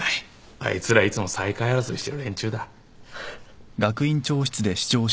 あいつらいつも最下位争いしてる連中だ。